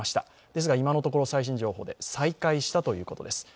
ですが今のところ最新情報で再開したということです。